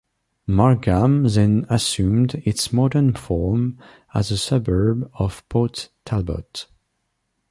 Margam then assumed its modern form as a suburb of Port Talbot.